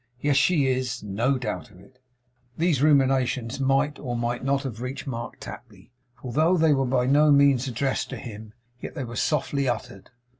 Yes, she is. No doubt of it.' These ruminations might or might not have reached Mark Tapley; for though they were by no means addressed to him, yet they were softly uttered.